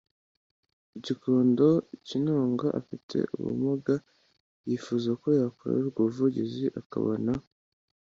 gikondo kinunga afite ubumuga yifuza ko yakorerwa ubuvugizi akabona